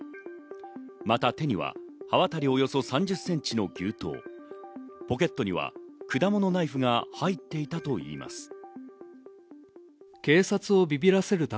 また手には刃渡りおよそ３０ｃｍの牛刀、ポケットには果物ナイフが入っていたといいます。